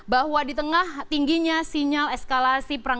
bahwa di tengah tingginya sinyal eskalasi perang